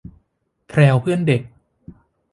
แพรวเพื่อนเด็ก